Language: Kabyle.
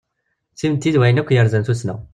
Timetti d wayen akk yerzan tussna.